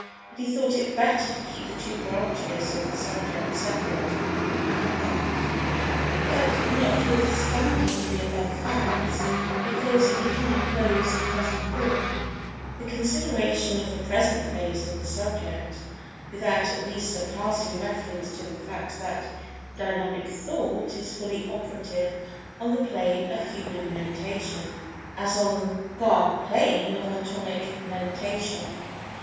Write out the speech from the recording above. And he thought it better to keep the two branches of the subject separate and apart. But, notwithstanding the above facts, he feels that he cannot close the present book—the con[Pg 207]sideration of the present phase of the subject, without at least a passing reference to the fact that "Dynamic Thought" is fully operative on the Plane of Human Mentation, as on the Plane of Atomic Mentation.